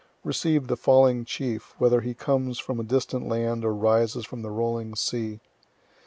Receive the falling chief; whether he comes from a distant land, or rises from the rolling sea.